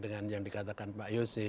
dengan yang dikatakan pak yose